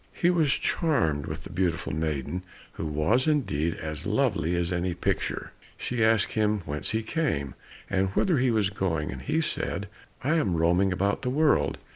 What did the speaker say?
He was charmed with the beautiful maiden, who was indeed as lovely as any picture. She asked him whence he came and whither he was going, and he said, "I am roaming about the world."